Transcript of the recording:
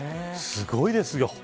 すごいですよ。